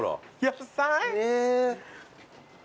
野菜？